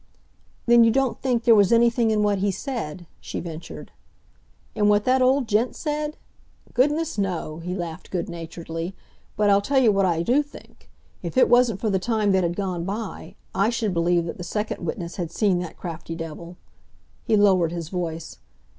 "Then you don't think there was anything in what he said?" she ventured. "In what that old gent said? Goodness—no!" he laughed good naturedly. "But I'll tell you what I do think. If it wasn't for the time that had gone by, I should believe that the second witness had seen that crafty devil—" he lowered his voice.